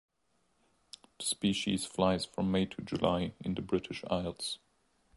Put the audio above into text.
The species flies from May to July in the British Isles.